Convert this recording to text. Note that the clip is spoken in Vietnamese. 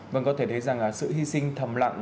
vâng có thể thấy rằng sự hy sinh thầm lặng